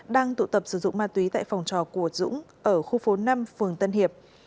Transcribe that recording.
đang tụ tập sử dụng ma túy tại phòng trò của dũng ở khu phố năm phường tân hiệp